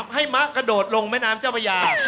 มะกระโดดลงแม่น้ำเจ้าพระยา